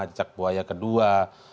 cicak buaya kedua